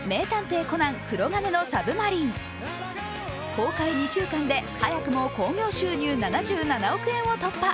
公開２週間で早くも興行収入７７億円を突破。